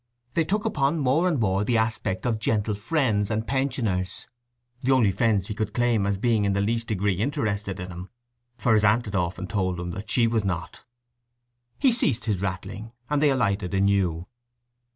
They took upon more and more the aspect of gentle friends and pensioners—the only friends he could claim as being in the least degree interested in him, for his aunt had often told him that she was not. He ceased his rattling, and they alighted anew.